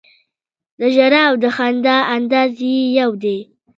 د ژړا او د خندا انداز یې یو دی.